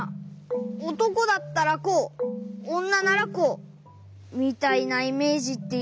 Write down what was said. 「おとこだったらこうおんなならこう」みたいなイメージっていうか。